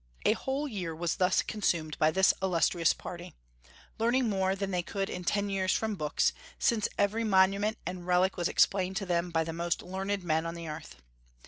A whole year was thus consumed by this illustrious party, learning more than they could in ten years from books, since every monument and relic was explained to them by the most learned men on earth.